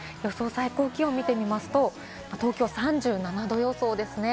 最高気温を見てみますと、東京３７度予想です。